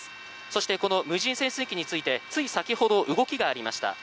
そしてこの無人潜水機についてつい先ほど動きがありました。